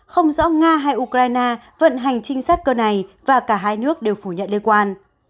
không rõ nga hay ukraine vận hành trinh sát cơ này và cả hai nước đều phủ nhận liên quan